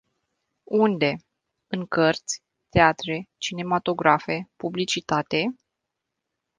Unde - în cărți, teatre, cinematografe, publicitate?